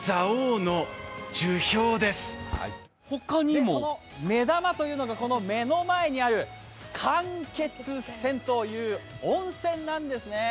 その目玉というのがこの目の前にある間欠泉という温泉なんですね。